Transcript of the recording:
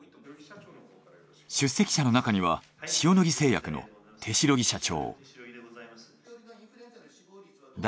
出席者の中には塩野義製薬の手代木社長。